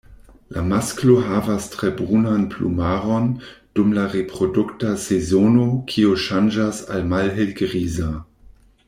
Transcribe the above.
La masklo havas tre brunan plumaron dum la reprodukta sezono, kio ŝanĝas al malhelgriza.